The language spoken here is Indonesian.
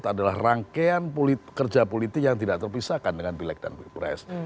adalah rangkaian kerja politik yang tidak terpisahkan dengan pilek dan pilpres